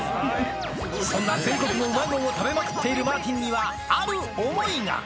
そんな全国のうまいもんを食べまくっているマーティンには、ある想いが。